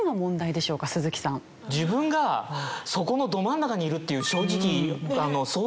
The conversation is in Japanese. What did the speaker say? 自分がそこのど真ん中にいるっていう正直想像。